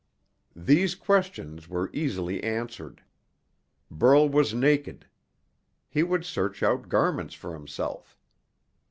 These questions were easily answered. Burl was naked. He would search out garments for himself.